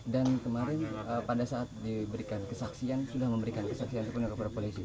dan kemarin pada saat diberikan kesaksian sudah memberikan kesaksian kepada kepala polisi